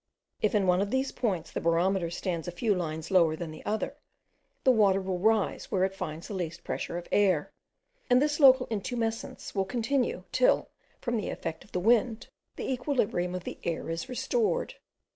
If in one of these points the barometer stands a few lines lower than in the other, the water will rise where it finds the least pressure of air, and this local intumescence will continue, till, from the effect of the wind, the equilibrium of the air is restored.